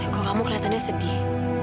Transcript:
kok kamu kelihatannya sedih